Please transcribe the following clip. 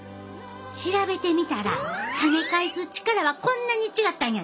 調べてみたら跳ね返す力はこんなに違ったんやで。